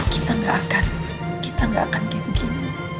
kita ga akan kita ga akan kayak begini